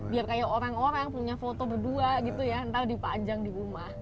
biar kayak orang orang punya foto berdua ntar dipajang di rumah